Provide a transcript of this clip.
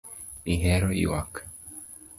Ihero ywak